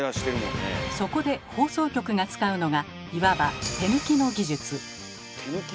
そこで放送局が使うのがいわば「手抜き」の技術。